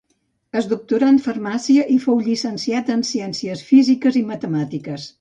Es doctorà en farmàcia i fou llicenciat en ciències físiques i matemàtiques.